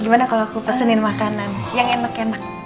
gimana kalau aku pesenin makanan yang enak enak